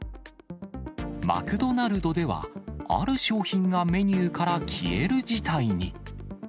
マクドナルドでは、ある商品がメニューから消える事態に。